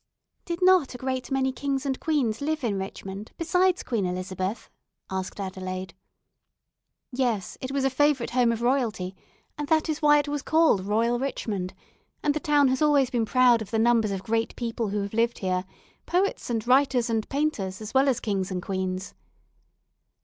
"Did not a great many kings and queens live in Richmond, besides Queen Elizabeth?" asked Adelaide. "Yes, it was a favourite home of royalty, and that is why it was called 'Royal Richmond,' and the town has always been proud of the numbers of great people who have lived here, poets and writers and painters as well as kings and queens.